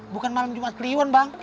bukan malam jumat kliwon bang